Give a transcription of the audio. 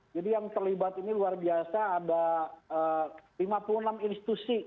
jadi yang terlibat ini luar biasa ada lima puluh enam institusi